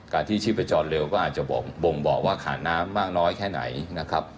อาชีพชีพจรเร็วก็อาจจะบ่งบอกว่าขาดน้ำมากน้อยแค่ไหนนะครับ